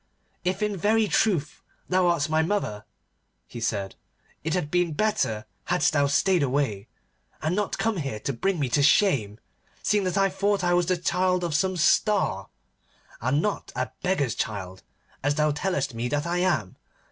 'If in very truth thou art my mother,' he said, 'it had been better hadst thou stayed away, and not come here to bring me to shame, seeing that I thought I was the child of some Star, and not a beggar's child, as thou tellest me that I am.